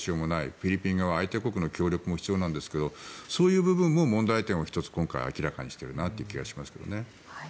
フィリピン側相手国の協力も必要なんですがそういう部分も問題点を１つ今回、明らかにしているなという気がしますけどね。